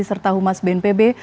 serta humas bnpb